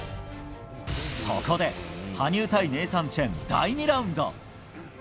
そこで、羽生対ネイサン・チェン第２ラウンド。